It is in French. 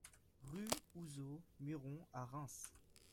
Rue Houzeau Muiron à Reims